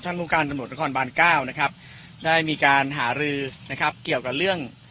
ท่านภูมิการสนุกนครบาน๙นะครับได้มีการหารือนะครับเกี่ยวกับเรื่อง